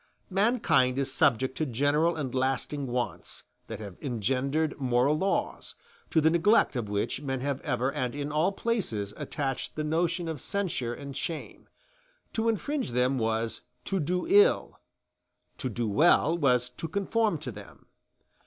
Mankind is subject to general and lasting wants that have engendered moral laws, to the neglect of which men have ever and in all places attached the notion of censure and shame: to infringe them was "to do ill" "to do well" was to conform to them.